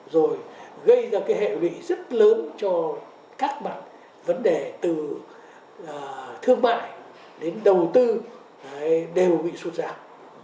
rồi gây ra cái hệ lụy rất lớn cho các mặt vấn đề từ thương mại đến đầu tư đều bị sụt giảm